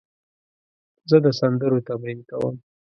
زه د سندرو تمرین کوم.